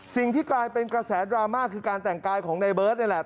สิ่งที่กลายเป็นกระแสดราม่าคือการแต่งกายของในเบิร์ตนี่แหละ